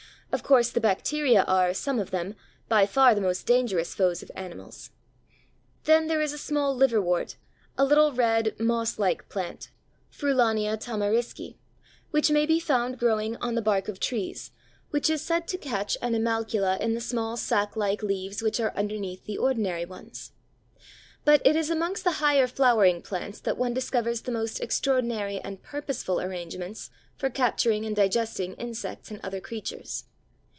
Of course the bacteria are, some of them, by far the most dangerous foes of animals (see page 328). Then there is a small Liverwort, a little red, moss like plant (Frullania tamarisci), which may be found growing on the bark of trees, which is said to catch animalcula in the small sack like leaves which are underneath the ordinary ones. But it is amongst the higher flowering plants that one discovers the most extraordinary and purposeful arrangements for capturing and digesting insects and other creatures.